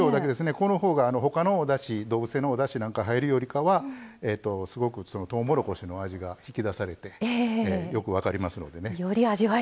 このほうが、動物性のおだしが入るよりかはすごく、とうもろこしの味が引き出されてよく分かりますのでね。